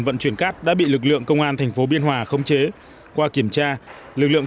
vận chuyển cát đã bị lực lượng công an thành phố biên hòa khống chế qua kiểm tra lực lượng